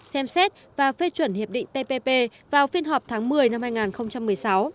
xem xét và phê chuẩn hiệp định tpp vào phiên họp tháng một mươi năm hai nghìn một mươi sáu